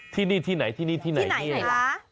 ที่นี่ที่ไหนที่นี่ที่ไหนเนี่ยที่ไหนค่ะ